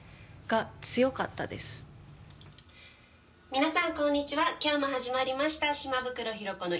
皆さんこんにちは今日も始まりました「島袋寛子のいいね！